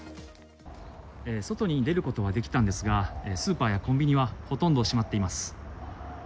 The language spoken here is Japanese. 外に出ることはできたんですが、スーパーやコンビニはほとんど閉まっています。